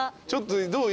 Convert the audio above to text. どう？